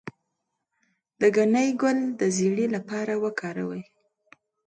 د ګنی ګل د زیړي لپاره وکاروئ